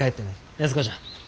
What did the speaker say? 安子ちゃん。